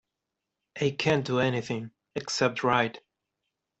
I can't do anything, except write.